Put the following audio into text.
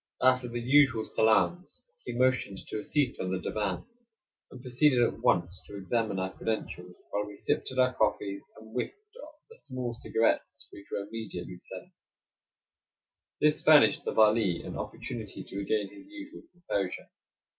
After the usual salaams, he motioned to a seat on the divan, and proceeded at once to examine our credentials while we sipped at our coffee, and whiffed the small cigarettes which were immediately served. This furnished the Vali an opportunity to regain his usual composure.